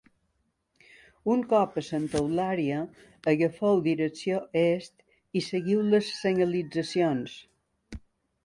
Un cop a Santa Eulària, agafeu direcció est i seguiu les senyalitzacions.